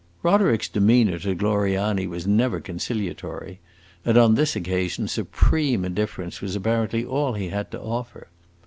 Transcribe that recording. Roderick's demeanor to Gloriani was never conciliatory, and on this occasion supreme indifference was apparently all he had to offer.